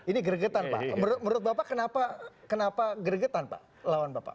ini gregetan pak menurut bapak kenapa gregetan pak lawan bapak